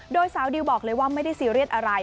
โดยสาวดิวบอกเลยว่าไม่ได้ซีเรียสอะไร